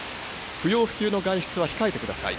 不要不急の外出は控えてください。